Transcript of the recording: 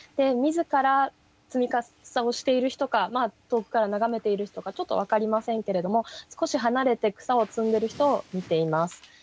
自ら摘草をしている人か遠くから眺めている人かちょっと分かりませんけれども少し離れて草を摘んでる人を見ています。